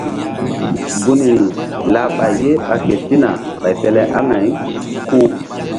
Gunri lah ɓay ye ɓa ketina ɓay fe le aŋay ku.